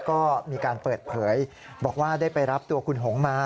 ก็มีการเปิดเผยบอกว่าได้ไปรับตัวคุณหงมา